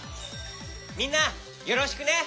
みんなよろしくね！